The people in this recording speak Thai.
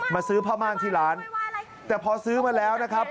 ซื้อผ้าม่านที่ร้านแต่พอซื้อมาแล้วนะครับ